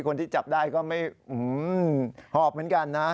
คนที่จับได้ก็ไม่หอบเหมือนกันนะ